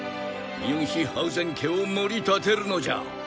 ミュンヒハウゼン家を盛り立てるのじゃ。